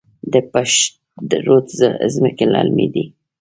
د پشت رود ځمکې للمي دي